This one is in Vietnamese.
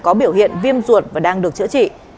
có biểu hiện viêm ruột và đang được chữa trị